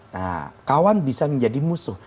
nah kawan bisa menjadi musuh